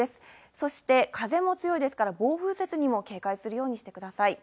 そして風も強いですから、暴風雪にも警戒するようにしてください。